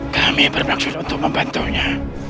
kami berpaksa untuk membantunya